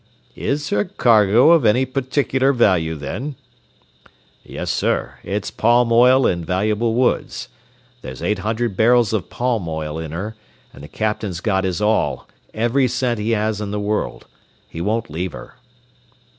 "Is her cargo of any particular value, then?" "Yes, sir. It's palm oil and valuable woods. There's eight hundred barrels of palm oil in her, and the captain's got his all every cent he has in the world. He won't leave her."